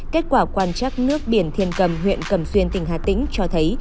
kết quả quan chắc nước biển thiên cầm huyện cầm xuyên tỉnh hà tĩnh cho thấy